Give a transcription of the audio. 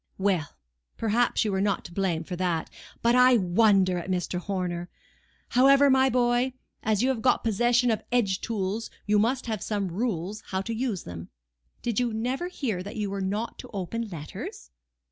"Well! perhaps you were not to blame for that. But I wonder at Mr. Horner. However, my boy, as you have got possession of edge tools, you must have some rules how to use them. Did you never hear that you were not to open letters?"